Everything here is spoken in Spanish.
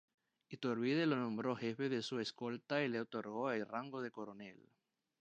Iturbide lo nombró jefe de su escolta y le otorgó el rango de coronel.